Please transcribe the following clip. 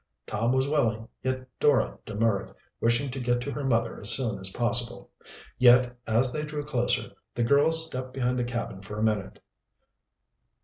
Tom was willing, yet Dora demurred, wishing to get to her mother as soon as possible. Yet, as they drew closer, the girl stepped behind the cabin for a minute.